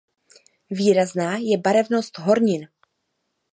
Výrazná je barevnost hornin.